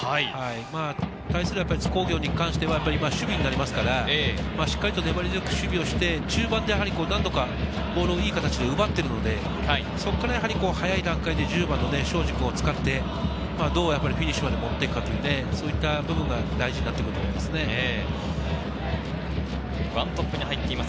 対する津工業に関しては守備になりますから、しっかりと粘り強く守備をして、中盤で何度かボールをいい形で奪っているので、そこから早い段階で１０番の庄司君を使って、どうフィニッシュまで持っていくか、そういった部分が大事になってくると思います。